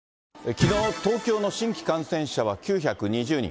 きのう、東京の新規感染者は９２０人。